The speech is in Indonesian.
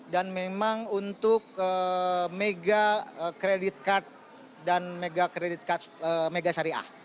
dan memang untuk mega credit card dan mega sari a